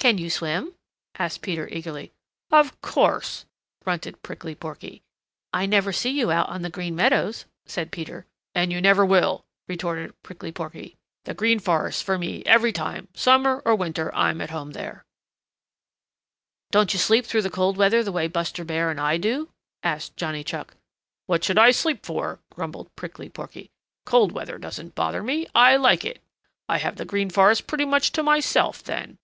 "Can you swim?" asked Peter eagerly. "Of course," grunted Prickly Porky. "I never see you out on the Green Meadows," said Peter. "And you never will," retorted Prickly Porky. "The Green Forest for me every time. Summer or winter, I'm at home there." "Don't you sleep through the cold weather the way Buster Bear and I do?" asked Johnny Chuck. "What should I sleep for?" grumbled Prickly Porky. "Cold weather doesn't bother me. I like it. I have the Green Forest pretty much to myself then.